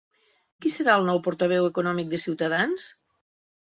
Qui serà el nou portaveu econòmic de Ciutadans?